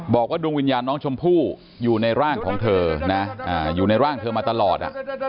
บอกว่าดวงวิญญาณน้องชมพู่อยู่ในร่างของเธอนะอยู่ในร่างเธอมาตลอด